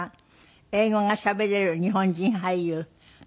英語がしゃべれる日本人俳優。